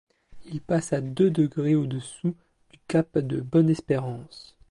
Il passe à deux degrés au-dessous du cap de Bonne-Espérance.